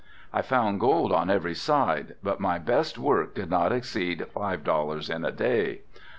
I found gold on every side but my best work did not exceed five dollars in a day.